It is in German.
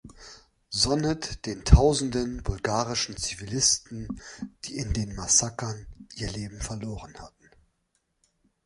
Sonnet den tausenden bulgarischen Zivilisten, die in den Massakern ihr Leben verloren hatten.